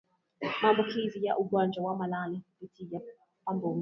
maambukizi ya ugonjwa wa malale kupitia kwa mbungo